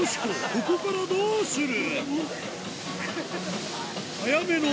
ここからどうする？